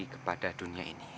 kepada dunia ini